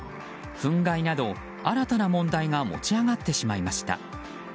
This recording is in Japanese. ふん害など新たな問題が持ち上がってしまいました。